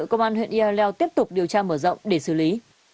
công an huyện ill tiếp tục điều tra mở rộng để xử lý